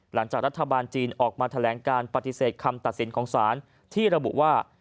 หลังจากรัฐบาลจีนออกมาแถลงการปฏิเสธคำตัดสินของสารที่ระบุว่า